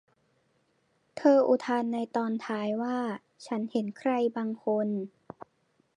เธออุทานในตอนท้ายว่า ฉันเห็นใครบางคน